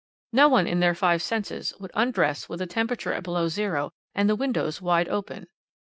No one in their five senses would undress with a temperature at below zero, and the windows wide open.